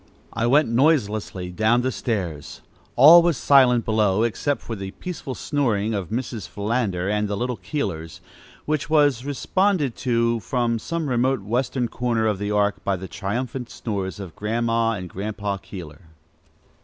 I went noiselessly down the stairs. All was silent below, except for the peaceful snoring of Mrs. Philander and the little Keelers, which was responded to from some remote western corner of the Ark by the triumphant snores of Grandma and Grandpa Keeler.